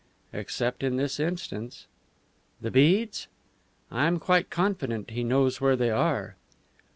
"Except in this instance." "The beads?" "I am quite confident he knows where they are."